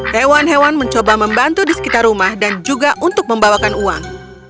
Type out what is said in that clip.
hewan hewan mencoba membantu di sekitar rumah dan juga untuk membawakan uang